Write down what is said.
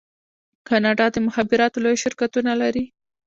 کاناډا د مخابراتو لوی شرکتونه لري.